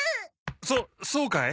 そそうかい？